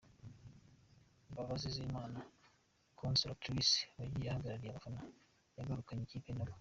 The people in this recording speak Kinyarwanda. Mbabazizimana Consolatrice wagiye ahagariye abafana yagarukanye n’ikipe nawe